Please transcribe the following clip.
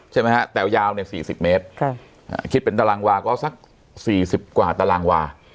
ใช่ไหมฮะแต่วยาวเนี้ยสี่สิบเมตรค่ะคิดเป็นตารางวาก็สักสี่สิบกว่าตารางวา